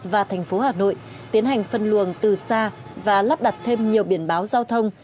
và thành phố hà nội tiến hành phân luồng từ xa và lắp đặt thêm nhiều biển báo giao thông